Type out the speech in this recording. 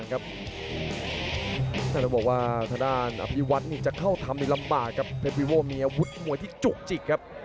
นั่นจะบอกว่าทะดานอภิวัตน์จะเข้าทำในลำบากับเพฟวิโวะเมียวุฒิมวยที่จุกจิกครับ